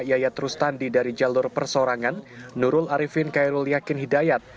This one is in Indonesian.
yayat rustandi dari jalur persorangan nurul arifin kairul yakin hidayat